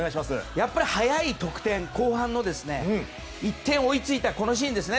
やっぱり早い得点後半の１点追いついたこのシーンですよね。